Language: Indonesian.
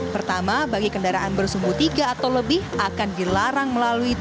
pertama bagi kendaraan bersumbu tiga atau lebih akan dilarang melalui tv